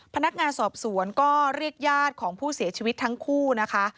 พนักงานสอบสวนก็เรียกญาติของผู้เสียชีวิตทั้งคู่นะคะ